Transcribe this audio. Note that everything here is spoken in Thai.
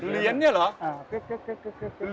เหรียญเนี่ยเหรอ